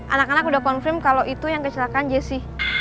anak anak udah confirm kalau itu yang kecelakaan jessi